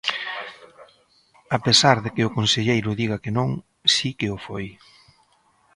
A pesar de que o conselleiro diga que non, si que o foi.